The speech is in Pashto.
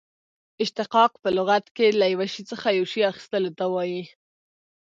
اشتقاق په لغت کښي له یوه شي څخه یو شي اخستلو ته وايي.